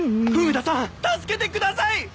フグ田さん助けてください！